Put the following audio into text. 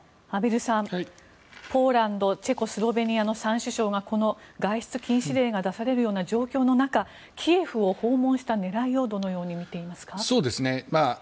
畔蒜さん、ポーランドチェコ、スロベニアの３首相がこの外出禁止令が出されるような状況の中キエフを訪問した狙いをどのように見ていますか？